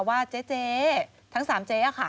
ว่าเจ๊เจ๊ทั้งสามเจ๊